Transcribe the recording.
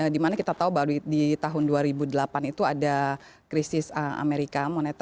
di mana kita tahu bahwa di tahun dua ribu delapan itu ada krisis amerika